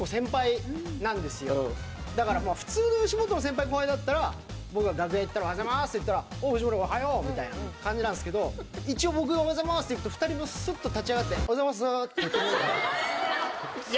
だから普通の吉本の先輩後輩だったら僕が楽屋行ったらおはようございますと言ったら「おう藤森おはよう」みたいな感じなんすけど一応僕がおはようございますって行くと２人ともすっと立ち上がって「おはようございます」って言ってくれるから。